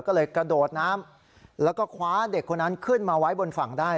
ก็เลยกระโดดน้ำแล้วก็คว้าเด็กคนนั้นขึ้นมาไว้บนฝั่งได้